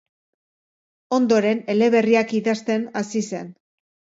Ondoren, eleberriak idazten hasi zen.